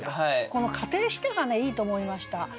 この「仮定して」がねいいと思いました。